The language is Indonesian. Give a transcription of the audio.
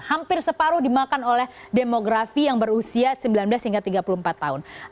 hampir separuh dimakan oleh demografi yang berusia sembilan belas hingga tiga puluh empat tahun